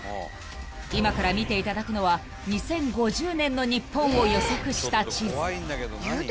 ［今から見ていただくのは２０５０年の日本を予測した地図］